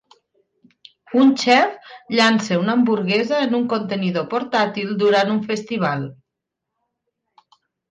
Un xef llença una hamburguesa en un contenidor portàtil durant un festival.